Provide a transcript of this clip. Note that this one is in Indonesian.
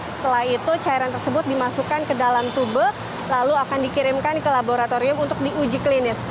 setelah itu cairan tersebut dimasukkan ke dalam tubuh lalu akan dikirimkan ke laboratorium untuk diuji klinis